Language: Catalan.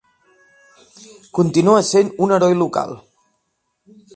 Continua essent un heroi local.